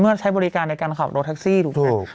ก็คือก็ใช้บริการในการขับโรคแท็กซี่ถูกค่ะ